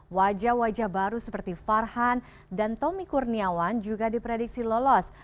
wajah wajah baru seperti farhan dan tommy kurniawan juga diprediksi lolos